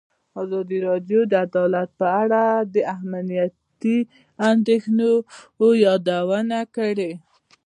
ازادي راډیو د عدالت په اړه د امنیتي اندېښنو یادونه کړې.